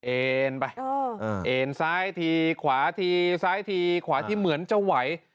เอ็นไปเอ็นซ้ายทีขวาทีซ้ายทีขวาที่เหมือนจะไหว